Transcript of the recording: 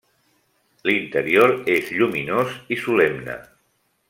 L'interior és lluminós i solemne.